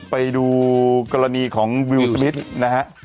ไปดูกรณีของวิวสมิทนะฮะ